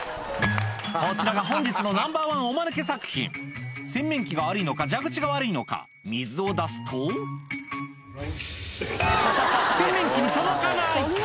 こちらが本日のナンバーワンおマヌケ作品洗面器が悪いのか蛇口が悪いのか水を出すと洗面器に届かない！